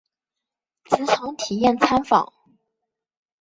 职场体验参访